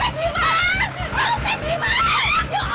oke selamat berjalan